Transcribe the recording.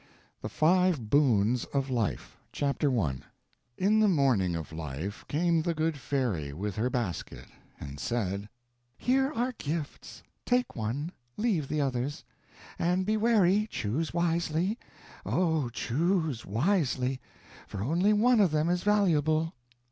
THE FIVE BOONS OF LIFE Chapter I In the morning of life came a good fairy with her basket, and said: "Here are gifts. Take one, leave the others. And be wary, choose wisely; oh, choose wisely! for only one of them is valuable."